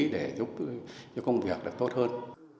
để giúp công việc tốt hơn